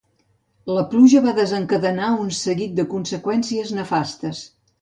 La pluja va desencadenar un seguit de conseqüències nefastes.